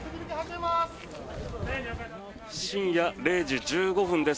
深夜０時１５分です。